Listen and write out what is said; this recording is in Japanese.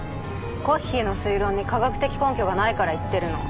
コッヒーの推論に科学的根拠がないから言ってるの。